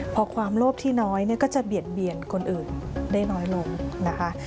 พอความโลภที่น้อยก็จะเบียดเบียนคนอื่นได้น้อยลงนะคะ